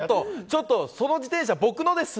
ちょっと、その自転車僕のです！